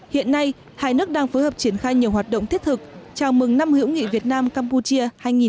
hiện nay hai nước đang phối hợp triển khai nhiều hoạt động thiết thực chào mừng năm hữu nghị việt nam campuchia hai nghìn một mươi chín